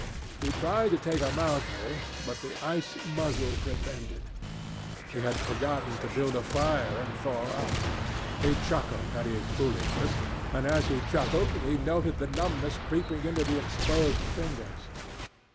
He tried to take a mouthful, but the ice muzzle prevented. He had forgotten to build a fire and thaw out. He chuckled at his foolishness, and as he chuckled he noted the numbness creeping into the exposed fingers.